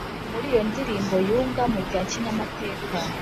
muri iyo ndirimbo yunga mu rya kinyamateka